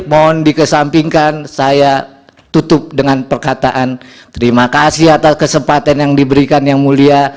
mohon dikesampingkan saya tutup dengan perkataan terima kasih atas kesempatan yang diberikan yang mulia